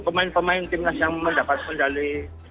pemain pemain timnas yang mendapatkan dari